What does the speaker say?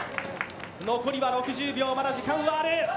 残りは６０秒、まだ時間はある。